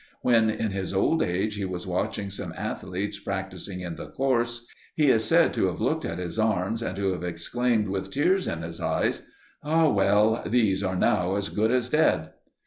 When in his old age he was watching some athletes practising in the course, he is said to have looked at his arms and to have exclaimed with tears in his eyes: "Ah well! these are now as good as dead."